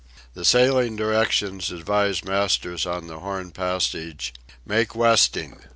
The Sailing Directions advise masters on the Horn passage: Make Westing.